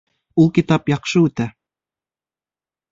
Ул китап яҡшы үтә